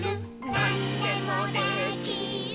「なんでもできる！！！」